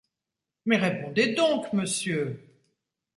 Mais répondez donc, monsieur !